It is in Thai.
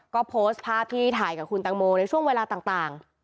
ก็โพสต์ภาพที่ถ่ายกับคุณตังโมในช่วงเวลาต่าง